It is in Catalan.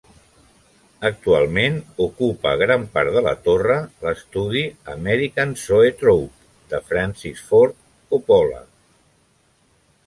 Actualment, ocupa gran part de la torre l'estudi American Zoetrope de Francis Ford Coppola.